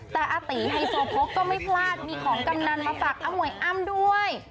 แต่อาตีไฮโซโพกก็ไม่พลาดมีของกำนันมาฝากอมวยอ้ำด้วย